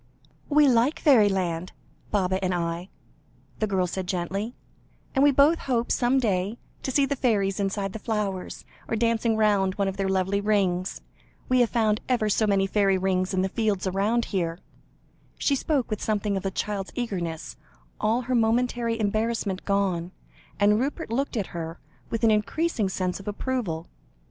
"We like fairyland Baba and I," the girl said gently, "and we both hope, some day, to see the fairies inside the flowers, or dancing round one of their lovely rings. We have found ever so many fairy rings in the fields round here." She spoke with something of a child's eagerness, all her momentary embarrassment gone, and Rupert looked at her, with an increasing sense of approval.